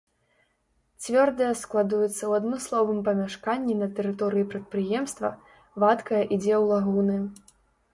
Цвёрдая складуецца ў адмысловым памяшканні на тэрыторыі прадпрыемства, вадкая ідзе ў лагуны.